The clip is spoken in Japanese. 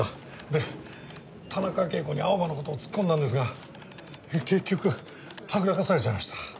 で田中啓子にアオバの事を突っ込んだんですが結局はぐらかされちゃいました。